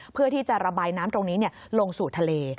เพื่อที่จะระบายน้ำตรงนี้ลงสู่ทะเล